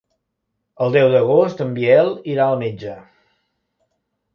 El deu d'agost en Biel irà al metge.